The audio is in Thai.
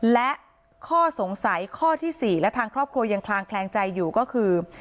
และข้อสงสัยข้อที่๔และทางครอบครัวยังคลางแคลงใจอยู่ก็คือ